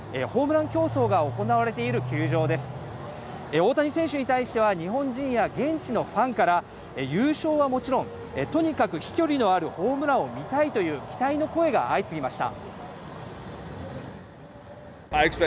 大谷選手に対しては日本人や現地のファンから優勝はもちろん、とにかく飛距離のあるホームランを見たいという期待の声が相次ぎました。